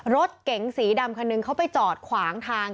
รถเก๋งสีดำคันหนึ่งเขาไปจอดขวางทาง